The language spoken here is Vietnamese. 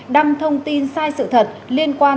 đăng thông tin sai sự thật liên quan